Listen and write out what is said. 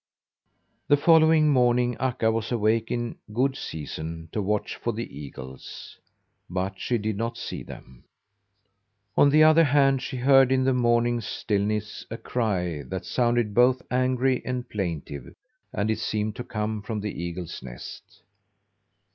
The following morning Akka was awake in good season to watch for the eagles; but she did not see them. On the other hand, she heard in the morning stillness a cry that sounded both angry and plaintive, and it seemed to come from the eagles' nest.